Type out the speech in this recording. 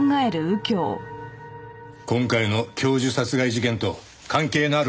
今回の教授殺害事件と関係のある事なんでしょうね？